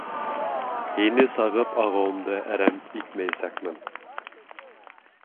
Һине сағып ағыуымды әрәм итмәйәсәкмен!